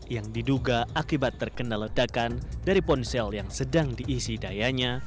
yang diduga akibat terkena ledakan dari ponsel yang sedang diisi dayanya